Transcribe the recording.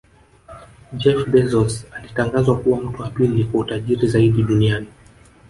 Jeff Bezos alitangazwa kuwa mtu wa pili kwa utajiri zaidi duniani